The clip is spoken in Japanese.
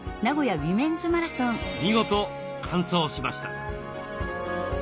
見事完走しました。